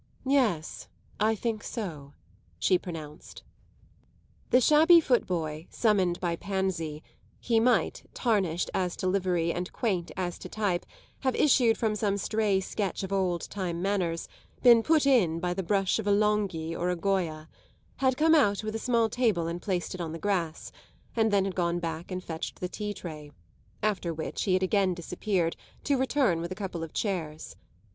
"Yes, I think so!" she pronounced. The shabby footboy, summoned by Pansy he might, tarnished as to livery and quaint as to type, have issued from some stray sketch of old time manners, been "put in" by the brush of a Longhi or a Goya had come out with a small table and placed it on the grass, and then had gone back and fetched the tea tray; after which he had again disappeared, to return with a couple of chairs.